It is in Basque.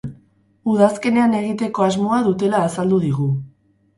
Udazkenean egiteko asmoa dutela azaldu digu.